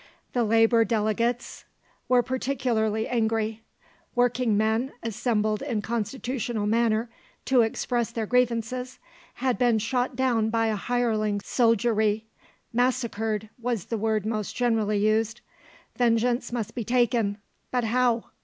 The Labour delegates were particularly angry. Working men, assembled in constitutional manner to express their grievances, had been shot down by a hireling soldiery, massacred was the word most generally used. Vengeance must be taken; but how?